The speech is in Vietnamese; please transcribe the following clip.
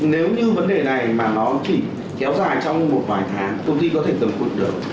nếu như vấn đề này mà nó chỉ kéo dài trong một vài tháng công ty có thể tổng cụ được